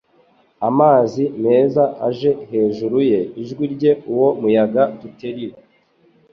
amazi meza aje hejuru ye ijwi rye uwo muyaga tuteri